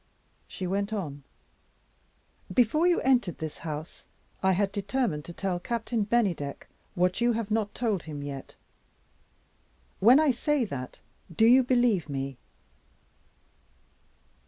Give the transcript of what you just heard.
She went on: "Before you entered this house, I had determined to tell Captain Bennydeck what you have not told him yet. When I say that, do you believe me?"